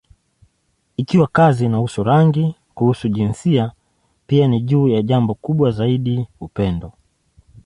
Ikiwa kazi inahusu rangi, kuhusu jinsia, pia ni juu ya jambo kubwa zaidi: upendo.